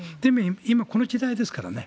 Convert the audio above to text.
今、この時代ですからね。